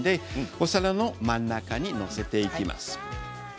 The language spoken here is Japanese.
お皿の真ん中に載せていきます。